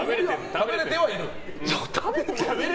食べれてはいる。